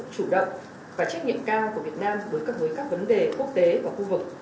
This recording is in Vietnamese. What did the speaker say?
chủ động và trách nhiệm cao của việt nam đối với các vấn đề quốc tế và khu vực